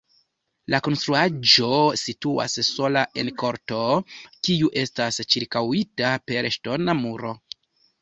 La konstruaĵo situas sola en korto, kiu estas ĉirkaŭita per ŝtona muro.